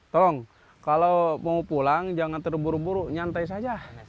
tolong kalau mau pulang jangan terburu buru nyantai saja